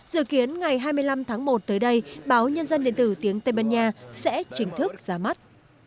dự kiến ngày hai mươi năm tháng một tới đây báo nhân dân điện tử tiếng tây ban nha sẽ chính thức ra mắt